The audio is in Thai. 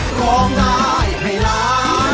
กล่อมได้ให้ร้าน